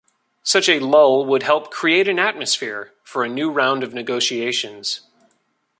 Such a lull would help "create an atmosphere" for a new round of negotiations.